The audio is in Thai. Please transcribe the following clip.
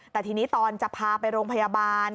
แต่ทีนี้ตอนจะพาไปโรงพยาบาล